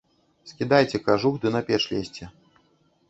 Скідайце кажух ды на печ лезьце.